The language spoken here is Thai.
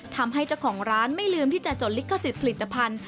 ทำให้เจ้าของร้านไม่ลืมที่จะจดลิขสิทธิผลิตภัณฑ์